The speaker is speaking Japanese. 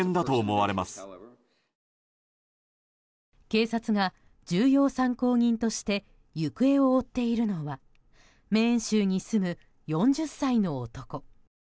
警察が重要参考人として行方を追っているのはメーン州に住む４０歳の男。